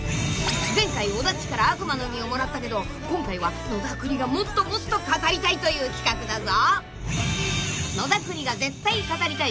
［前回尾田っちから悪魔の実をもらったけど今回は野田クリがもっともっと語りたいという企画だぞ］